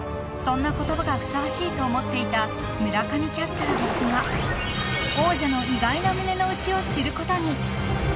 ［そんな言葉がふさわしいと思っていた村上キャスターですが王者の意外な胸の内を知ることに］